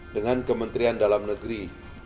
dengan kementerian dalam negeri